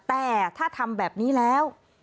แต่ถ้าทำแบบนี้แล้ว